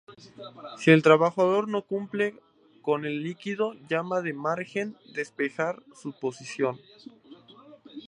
Si el trabajador no cumple con el líquido llamada de margen despejar su posición.